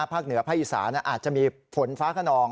ภาคเหนือพระอิสาอาจจะมีฝนฟ้าขนอง